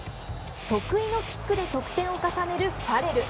得意のキックで得点を重ねるファレル。